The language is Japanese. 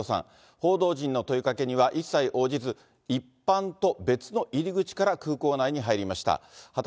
報道陣の問いかけには一切応じず、一般と別の入り口から空港内に入りました。